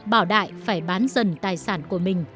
bảo đại phải bán dần tài sản của mình